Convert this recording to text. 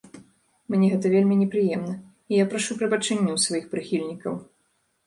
Мне гэта вельмі непрыемна, і я прашу прабачэння ў сваіх прыхільнікаў!